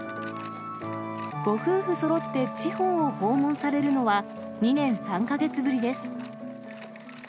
ご夫婦そろって、地方を訪問されるのは２年３か月ぶりです。